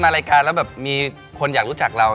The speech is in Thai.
ไม่ถึงเต้นตอนนี้มันคือความกลัว